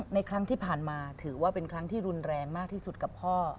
ในครั้งที่ผ่านมาถือว่าเป็นครั้งที่รุนแรงมากที่สุดกับพ่อ